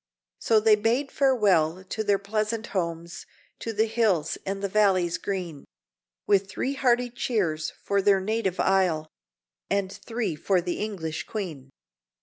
So they bade farewell to their pleasant homes, To the hills and the valleys green, With three hearty cheers for their native isle, And three for the English Queen.